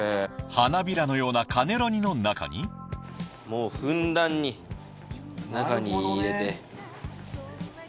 花びらのようなカネロニの中にもうふんだんに中に入れてなるほどね